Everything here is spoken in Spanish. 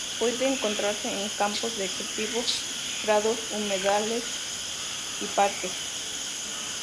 Puede encontrarse en campos de cultivo, prados, humedales y parques.